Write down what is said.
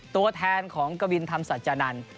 ตัวแทนของกวินธรรมสัจจานันทร์